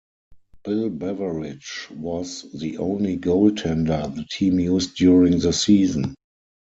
Bill Beveridge was the only goaltender the team used during the season.